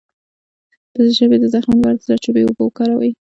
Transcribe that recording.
د ژبې د زخم لپاره د زردچوبې اوبه وکاروئ